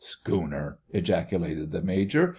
"Schooner!" ejaculated the Major.